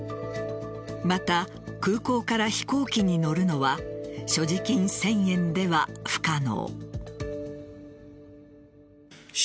また、空港から飛行機に乗るのは所持金１０００円では不可能。